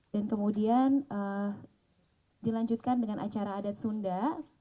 dan kemudian dilanjutkan dengan acara adat sunda